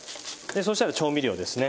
そしたら調味料ですね。